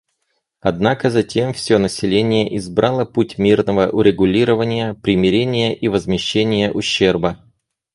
Однако затем все население избрало путь мирного урегулирования, примирения и возмещения ущерба.